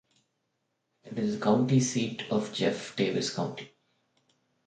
It is the county seat of Jeff Davis County.